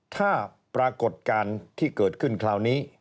ถ้าปรากฏการณ์ที่เกิดขึ้นคราวนี้